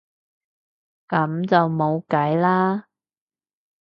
噉就冇計啦